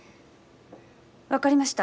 分かりました。